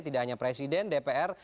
tidak hanya presiden dpr